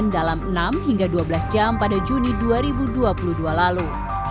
dalam enam hingga dua belas jam pada juni dua ribu dua puluh dua lalu